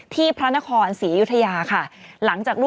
เมื่อ